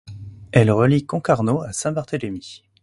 Elle relie Concarneau à Saint-Barthélémy .